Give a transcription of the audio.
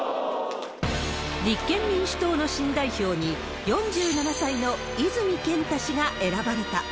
立憲民主党の新代表に、４７歳の泉健太氏が選ばれた。